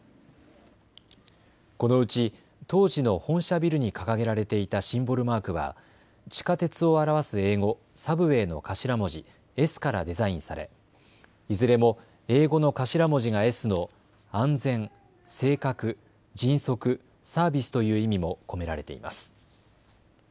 このうち当時の本社ビルに掲げられていたシンボルマークは地下鉄を表す英語、ＳＵＢＷＡＹの頭文字Ｓからデザインされいずれも英語の頭文字がＳの安全、正確、迅速、サービスという意味も込められています。